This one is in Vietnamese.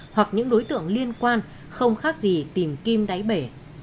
hoặc những đối tượng liên quan không khác gì tìm kim đáy bể